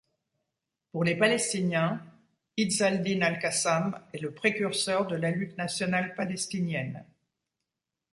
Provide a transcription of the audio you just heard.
Pour les Palestiniens, Izz al-Din al-Qassam est le précurseur de la lutte nationale palestinienne.